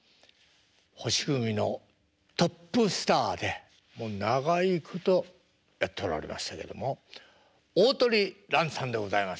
星組のトップスターでもう長いことやっておられましたけれども鳳蘭さんでございます。